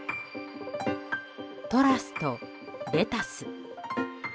「トラス」と「レタス」。